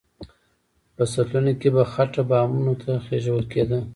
په سطلونو کې به خټه بامونو ته خېژول کېده.